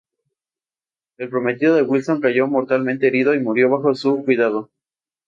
El prometido de Wilson cayó mortalmente herido y murió bajo su cuidado.